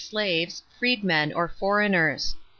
817 slaves, freedmen, or foreigners.